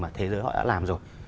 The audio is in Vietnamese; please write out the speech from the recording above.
mà thế giới họ đã làm rồi